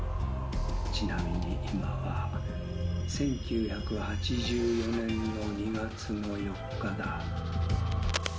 「ちなみに今は１９８４年の２月の４日だ」